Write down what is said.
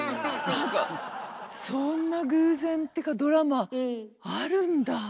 何かそんな偶然っていうかドラマあるんだ。